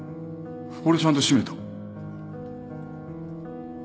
俺ちゃんと閉めた